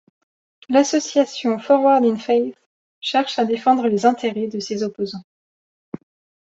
L'association Forward in Faith cherche à défendre les intérêts de ces opposants.